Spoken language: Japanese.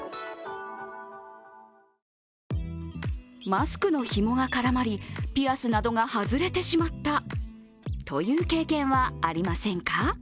マスクのひもが絡まり、ピアスなどが外れてしまったという経験はありませんか？